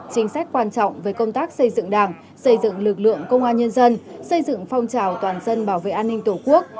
chính sách quan trọng về công tác xây dựng đảng xây dựng lực lượng công an nhân dân xây dựng phong trào toàn dân bảo vệ an ninh tổ quốc